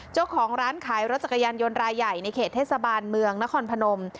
เจ้าของร้านขายรถจักรยานยนต์รายใหญ่ในเขตเทศบาลเมืองนครพนม